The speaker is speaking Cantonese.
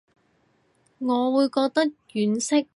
我會覺得婉惜